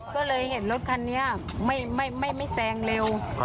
ก็เลยเห็นรถคันนี้ไม่แซงเร็ว